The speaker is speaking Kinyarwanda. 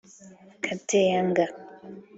Kate Young